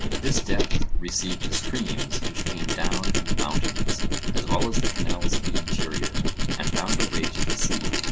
This depth received the streams which came down from the mountains, as well as the canals of the interior, and found a way to the sea.